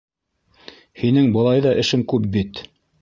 Һинең былай ҙа эшең күп бит.